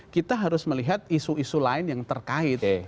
kita harus melihat isu isu lain yang terkait